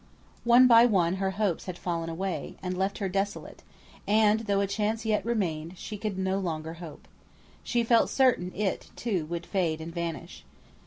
One by one her hopes had fallen away, and left her desolate; and though a chance yet remained, she could no longer hope. She felt certain it, too, would fade and vanish.